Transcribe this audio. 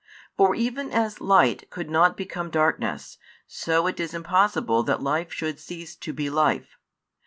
For even as light could not become darkness, so it is impossible that Life should cease to be life.